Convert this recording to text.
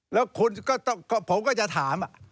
แล้วผมก็จะถาม